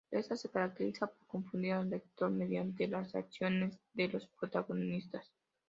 Ésta se caracteriza por confundir al lector mediante las acciones de los protagonistas.